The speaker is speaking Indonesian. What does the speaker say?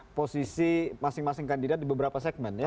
ada selisih masing masing kandidat di beberapa segmen ya